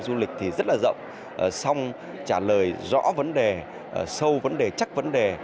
du lịch thì rất là rộng xong trả lời rõ vấn đề sâu vấn đề chắc vấn đề